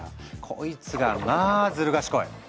こいつがまあずる賢い。